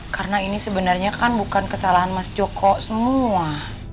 karena ini sebenarnya kan bukan kesalahan mas joko semua